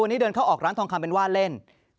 วันนี้เดินเข้าออกร้านทองคำเป็นว่าเล่น